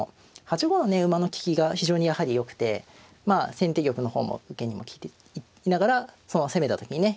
８五のね馬の利きが非常にやはりよくてまあ先手玉の方も受けにも利いていながら攻めた時にね